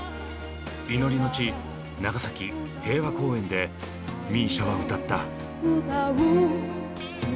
祈りの地長崎平和公園でＭＩＳＩＡは歌った。